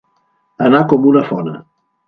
Anar com una fona.